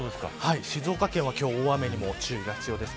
静岡県は今日大雨にも注意が必要です。